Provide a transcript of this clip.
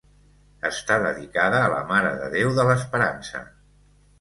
Està dedicada a la Mare de Déu de l'Esperança.